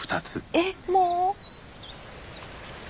えっもう？